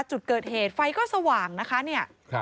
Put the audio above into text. จุดเกิดเหตุไฟก็สว่างนะคะเนี่ย